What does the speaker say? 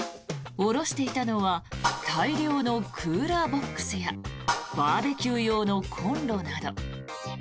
下ろしていたのは大量のクーラーボックスやバーベキュー用のコンロなど。